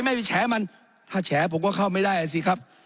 ไม่ไปแฉมันถ้าแฉผมก็เข้าไม่ได้อ่ะสิครับ